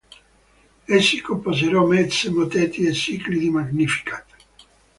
Essi composero messe, mottetti e cicli di Magnificat.